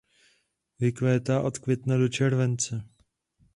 Vykvétá od května do července.